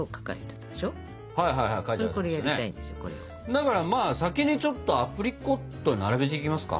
だからまあ先にちょっとアプリコット並べていきますか。